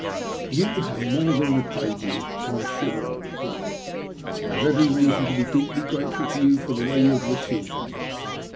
''You have more than repaid me, I'm sure/' I replied. " I have every reason to be deeply grateful to you for the way you have received me."